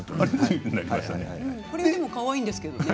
これでもかわいいんですけどね。